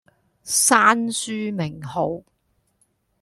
閂書名號